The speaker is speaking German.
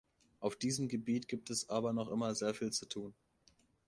Auf diesem Gebiet gibt es aber noch immer sehr viel zu tun.